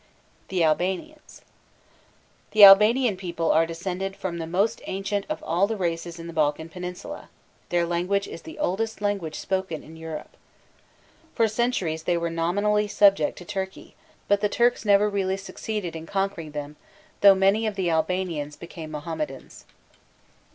THE ALBANIANS. The Albanian people are descended from the most ancient of all the races in the Balkan peninsula; their language is the oldest language spoken in Europe. For centuries they were nominally subject to Turkey; but the Turks never really succeeded in conquering them, though many of the Albanians became Mohammedans.